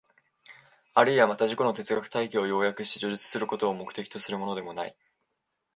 あるいはまた自己の哲学体系を要約して叙述することを目的とするものでもない。